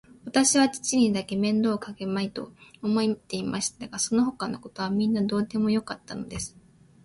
わたしは父にだけは面倒をかけまいと思っていましたが、そのほかのことはみんなどうでもよかったのです。